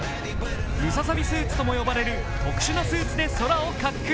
ムササビスーツとも呼ばれる特殊なスーツで空を滑空。